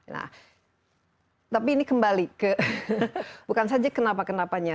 nah tapi ini kembali ke bukan saja kenapa kenapanya